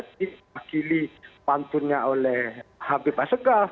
dipakili pantunya oleh habib asegaf